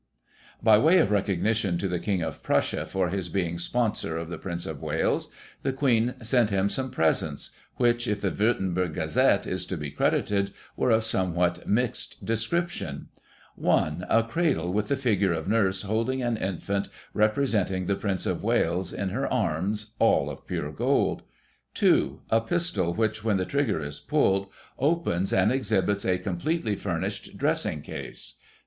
By way of recognition to the King of Prussia for his being sponsor of the Prince of Wales, the Queen sent him some presents, which, if the Wurtzburg Gazette is to be credited, were of somewhat mixed description, i. — ^A cradle with the figure of nurse holding an infant, representing the Prince of Wales, in her arms, all of pure gold. 2. — A pistol, which, when the trigger is pulled, opens and exhibits a completely furnished dressing case.